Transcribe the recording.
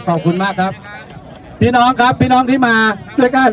ขอบคุณมากครับพี่น้องครับพี่น้องที่มาด้วยกัน